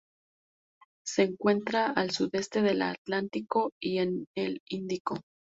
Se encuentra al sudeste de la Atlántico y en el Índico.